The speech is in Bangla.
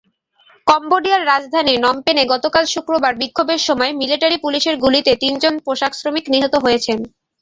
কম্বোডিয়ার রাজধানী নমপেনে গতকাল শুক্রবার বিক্ষোভের সময় মিলিটারি-পুলিশের গুলিতে তিনজন পোশাকশ্রমিক নিহত হয়েছেন।